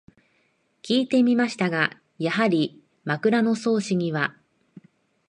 きいてみましたが、やはり「枕草子」には